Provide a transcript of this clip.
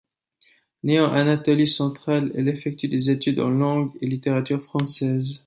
Née en Anatolie centrale, elle effectue des études en langue et littérature française.